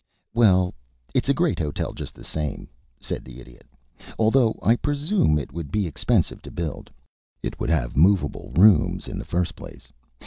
"Well, it's a great hotel just the same," said the Idiot. "Although I presume it would be expensive to build. It would have movable rooms, in the first place.